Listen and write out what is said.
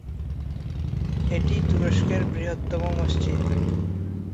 এটি তুরস্কের বৃহত্তম মসজিদ।